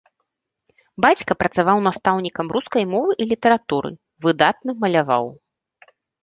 Бацька працаваў настаўнікам рускай мовы і літаратуры, выдатна маляваў.